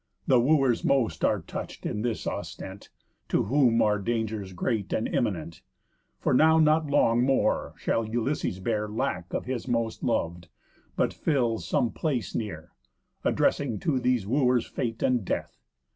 The Wooers most are touch'd in this ostent, To whom are dangers great and imminent; For now not long more shall Ulysses bear Lack of his most lov'd, but fills some place near, Addressing to these Wooers fate and death.